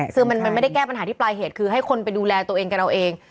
คือมันไม่ได้แก้ปัญหาที่ปลายเหตุคือให้คนไปดูแลตัวเองกันเอาเอง